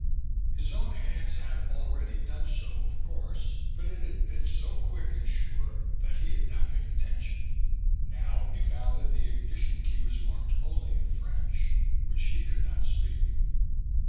His own hands had already done so, of course, but it had been so quick and sure that he had not paid attention; now he found that the ignition key was marked only in French, which he could not speak.